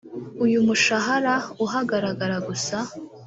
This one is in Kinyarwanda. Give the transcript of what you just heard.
uyu mushahara uhagarara gusa